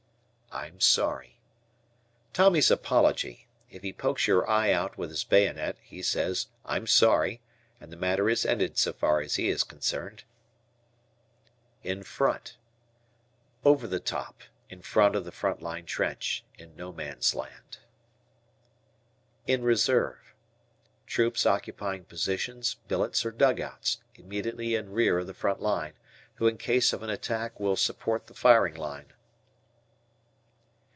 "I'm sorry." Tommy's apology. If he pokes your eye out with his bayonet he says, "I'm sorry," and the matter is ended so far as he is concerned. "In front." Over the top; in front of the front line trench, in No Man's Land. "In reserve." Troops occupying positions, billets, or dugouts, immediately in rear of the front line, who in case of an attack will support the firing line.